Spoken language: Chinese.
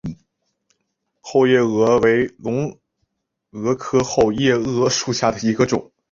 后夜蛾为隆蛾科后夜蛾属下的一个种。